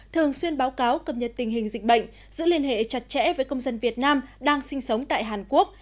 thường xuyên báo cáo cập nhật tình hình dịch bệnh giữ liên hệ chặt chẽ với công dân việt nam đang sinh sống tại hàn quốc